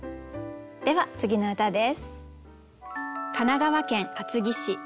では次の歌です。